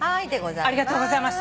ありがとうございます。